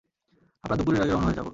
আমরা দুপুরের আগে রওনা হয়ে যাবো।